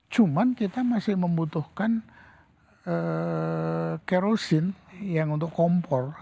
cuman kita masih membutuhkan kerosin yang untuk kompor